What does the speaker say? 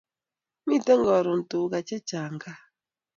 Miten karun tukaa che chang kaa